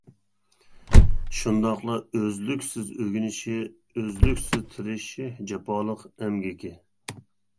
شۇنداقلا ئۆزلۈكسىز ئۆگىنىشى، ئۆزلۈكسىز تىرىشىشى، جاپالىق ئەمگىكى.